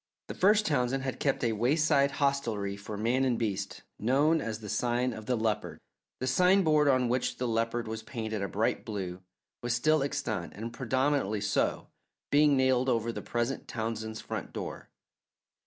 The first Townsend had kept a wayside hostelry for man and beast, known as the "Sign of the Leopard." The sign board, on which the leopard was painted a bright blue, was still extant, and prominently so, being nailed over the present Townsend's front door.